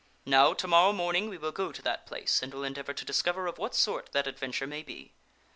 Now, to mor row morning we will go to that place and will endeavor to discover of what sort that adventure may be."